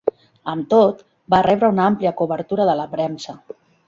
Amb tot, va rebre una amplia cobertura de la premsa.